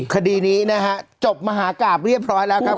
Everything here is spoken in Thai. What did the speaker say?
คดีนี้นะฮะจบมหากราบเรียบร้อยแล้วครับ